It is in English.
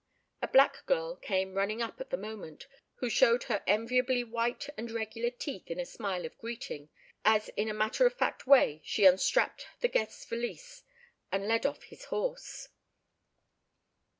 A black girl came running up at the moment, who showed her enviably white and regular teeth in a smile of greeting, as in a matter of fact way she unstrapped the guest's valise, and led off his horse.